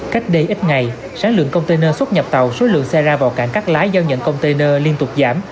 cách đây ít ngày sản lượng container xuất nhập tàu số lượng xe ra vào cảng cắt lái giao nhận container liên tục giảm